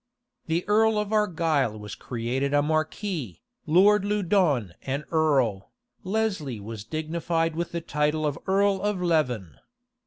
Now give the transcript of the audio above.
The earl of Argyle was created a marquis, Lord Loudon an earl, Lesley was dignified with the title of earl of Leven.